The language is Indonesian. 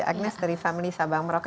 agnez dari family sabah merauke